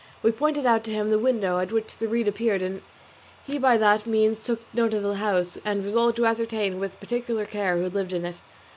We pointed out to him the window at which the reed appeared, and he by that means took note of the house, and resolved to ascertain with particular care who lived in it.